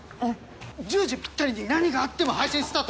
１０時ぴったりに何があっても配信スタートさせろよ。